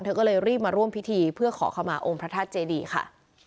เธอก็เลยรีบมาร่วมพิธีเพื่อขอขมาองค์พระธาตุเจดีค่ะ